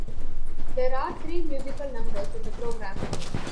There are three musical numbers in the program.